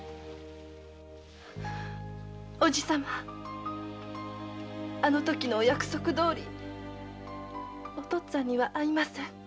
おじさまあの時の約束どおりお父っつぁんには会いません。